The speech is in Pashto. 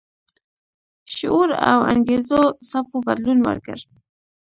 شعور او انګیزو څپو بدلون ورکړ.